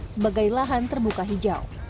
sebagai lahan terbuka hijau